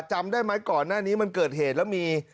จำได้ไหมก่อนหน้านี้มันเกิดเหตุแล้วมี